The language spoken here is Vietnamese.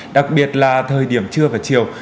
đặc biệt là thời điểm trưa và chiều